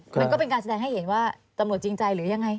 มันก็เป็นการแสดงให้เห็นว่าตำรวจจริงใจหรือยังไง